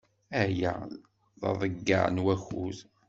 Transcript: Aya d aḍeyyeɛ n wakud.